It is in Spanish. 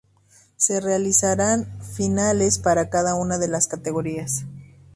Se realizarán finales para cada una de las categorías.